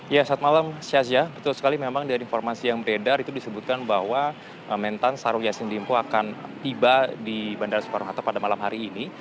ya saat malam syaza betul sekali memang dari informasi yang beredar itu disebutkan bahwa mentan syahrul yassin limpo akan tiba di bandara soekarno hatta pada malam hari ini